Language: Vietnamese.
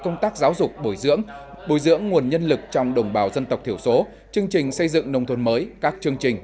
nhân lực trong đồng bào dân tộc thiểu số chương trình xây dựng nông thuận mới các chương trình